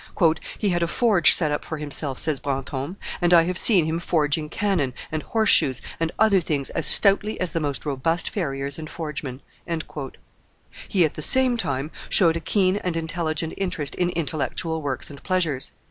"He had a forge set up for himself," says Brantome, "and I have seen him forging cannon, and horseshoes, and other things as stoutly as the most robust farriers and forgemen." He, at the same time, showed a keen and intelligent interest in intellectual works and pleasures.